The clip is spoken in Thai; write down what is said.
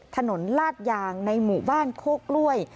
ลาดยางในหมู่บ้านโคกกล้วย